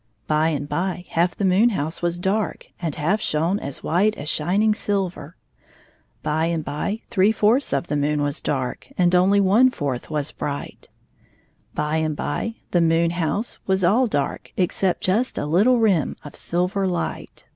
By and by, half the moon house was dark and half shone as white as shining silver. By and by three fourths of the moon was dark and only one fourth was bright. By and by the moon house was all dark except just a little rim of silver light.